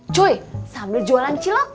cuy sambil jualan cilok